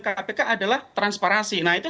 kpk adalah transparansi nah itu